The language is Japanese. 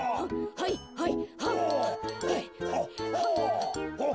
はいはい。